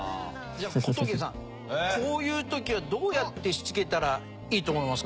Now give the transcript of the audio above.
じゃあ小峠さんこういう時はどうやってしつけたらいいと思いますか？